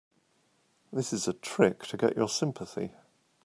This is a trick to get your sympathy.